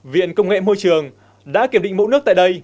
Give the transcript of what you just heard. viện công nghệ môi trường đã kiểm định mẫu nước tại đây